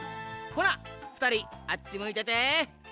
ほなふたりあっちむいてて。